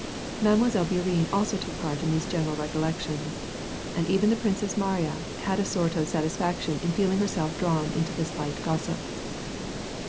Mile. Bourienne also took part in these general recollections, and even the Princess Mariya had a sort of satis faction in feeling herself drawn into this light gossip.